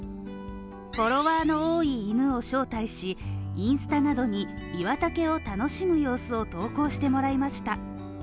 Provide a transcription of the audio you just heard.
フォロワーの多い犬を招待し、インスタなどに岩岳を楽しむ様子を投稿してもらいました。